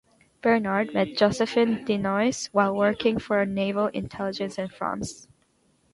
Bernard met Josephine Dinois while working for naval intelligence in France.